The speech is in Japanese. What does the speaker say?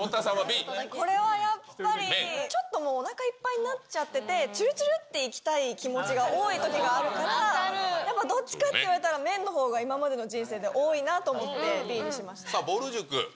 これはやっぱり、ちょっともう、おなかいっぱいになっちゃってて、つるつるっていきたい気持ちが多いときがあるから、やっぱどっちかって言われたら、麺のほうが今までの人生で多いなと思ってＢにぼる塾。